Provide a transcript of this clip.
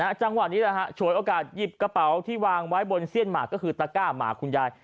จังหวะนี้แหละฮะฉวยโอกาสหยิบกระเป๋าที่วางไว้บนเสี้ยนหมากก็คือตะก้าหมากคุณยาย